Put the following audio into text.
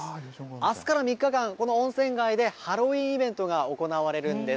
あすから３日間、この温泉街でハロウィーンイベントが行われるんです。